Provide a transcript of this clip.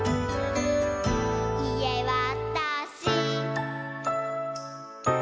「いえわたし！」